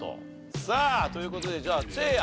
さあという事でじゃあせいや。